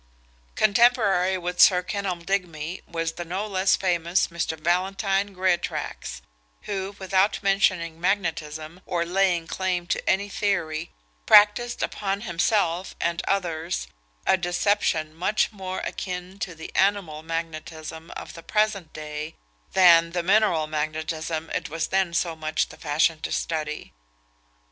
Contemporary with Sir Kenelm Digby was the no less famous Mr. Valentine Greatraks, who, without mentioning magnetism, or laying claim to any theory, practised upon himself and others a deception much more akin to the animal magnetism of the present day than the mineral magnetism it was then so much the fashion to study.